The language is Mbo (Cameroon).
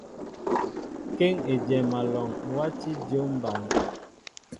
Kéŋ éjem alɔŋ wati dyȏm ɓăn.